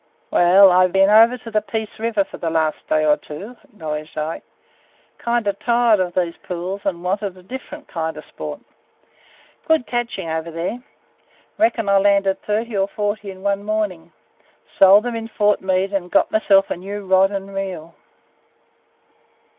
"Well, I been over to the Peace River for the last day or two," acknowledged Ike. "Kind o' tired of these pools and wanted a diff'rent kind o' sport. Good catchin' over there! Reckon I landed thirty or forty in one mornin'! Sold 'em in Fort Meade an' got myself a new rod an' reel!"